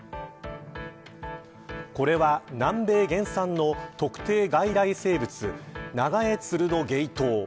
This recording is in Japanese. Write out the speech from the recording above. これは南米原産の特定外来生物ナガエツルノゲイトウ。